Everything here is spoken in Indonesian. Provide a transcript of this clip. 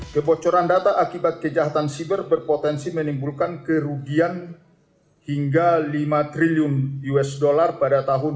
kebocoran data akibat kejahatan siber berpotensi menimbulkan kerugian hingga lima triliun usd pada tahun dua ribu dua puluh